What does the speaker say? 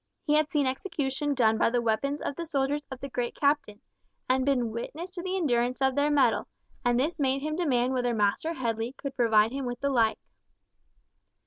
He had seen execution done by the weapons of the soldiers of the Great Captain, and been witness to the endurance of their metal, and this made him demand whether Master Headley could provide him with the like.